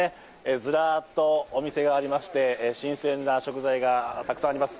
ずらっとお店がありまして、新鮮な食材がたくさんあります。